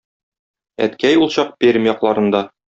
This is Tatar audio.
Әткәй ул чак Пермь якларында...